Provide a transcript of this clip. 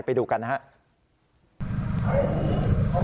ไปดูกันนะครับ